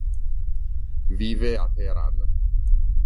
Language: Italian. Vive a Teheran.